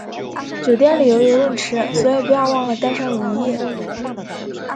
酒店里有游泳池，所以不要忘了带上泳衣